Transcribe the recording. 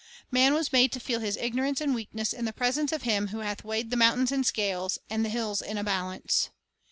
Man was made to feel his ignorance and weakness in the presence of Him who hath "weighed the mountains in scales, and the hills in a balance."